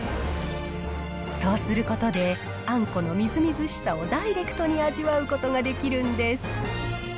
そうすることで、あんこのみずみずしさをダイレクトに味わうことができるんです。